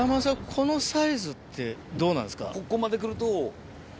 このサイズってどうなんですか？